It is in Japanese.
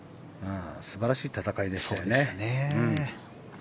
素晴らしい戦いでしたね。